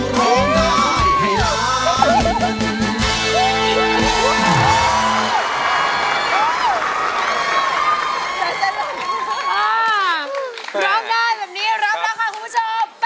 ร้องได้แบบนี้ร้องได้ค่ะคุณผู้ชม